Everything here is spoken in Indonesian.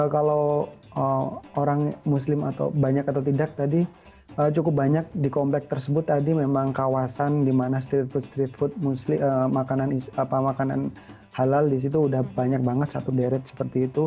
kalau orang muslim atau banyak atau tidak tadi cukup banyak di komplek tersebut tadi memang kawasan di mana street street food makanan halal di situ udah banyak banget satu deret seperti itu